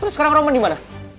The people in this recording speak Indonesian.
terus sekarang roman dimana